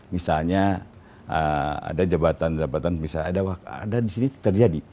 misalnya ada jabatan jabatan misalnya ada di sini terjadi